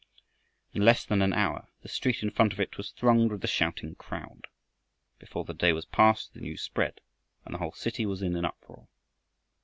In less than an hour the street in front of it was thronged with a shouting crowd. Before the day was past the news spread, and the whole city was in an uproar.